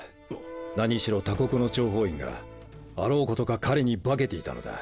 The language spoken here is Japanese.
何しろ他国の諜報員があろうことか彼に化けていたのだ。